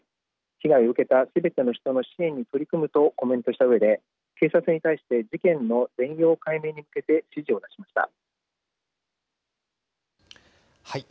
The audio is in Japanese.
被害を受けた、すべての人の支援に取り組むとコメントしたうえで警察に対して事件の全容解明に向けて指示を出しました。